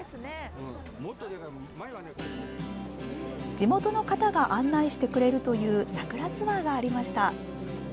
地元の方が案内してくれるという桜ツアーがありました。